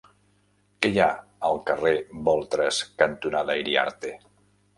Què hi ha al carrer Boltres cantonada Iriarte?